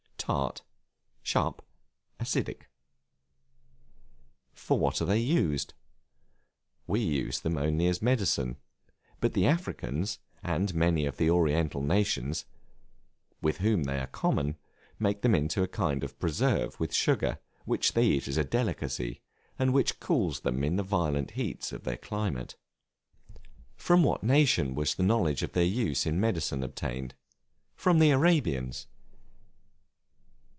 Tart, sharp, acid. For what are they used? We use them only as medicine; but the Africans, and many of the Oriental nations, with whom they are common, make them into a kind of preserve with sugar, which they eat as a delicacy, and which cools them in the violent heats of their climate. From what nation was the knowledge of their use in medicine obtained? From the Arabians.